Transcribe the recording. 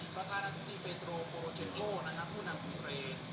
ประธานาธิบดีเบโตโบเทนโลนะครับผู้นำยูเครน